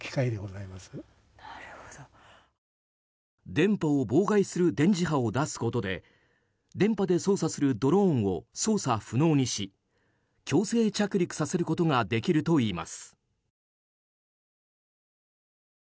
電波を妨害する電磁波を出すことで電波で操作するドローンを操作不能にし強制着陸させることができるといいます。